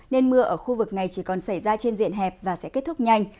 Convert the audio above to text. nên mưa ở khu vực này chỉ còn xảy ra trên diện hẹp và sẽ kết thúc nhanh